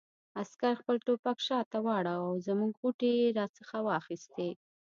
عسکر خپل ټوپک شاته واړاوه او زموږ غوټې یې را څخه واخیستې.